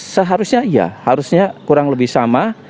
seharusnya iya harusnya kurang lebih sama